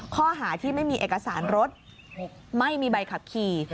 ข้อหาที่ไม่มีเอกสารรถไม่มีใบขับขี่